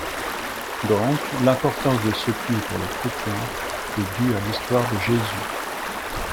Donc, l’importance de ce puits pour les chrétiens est due à l’histoire de Jésus.